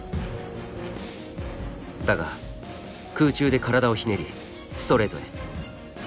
だが空中で体をひねりストレートへ。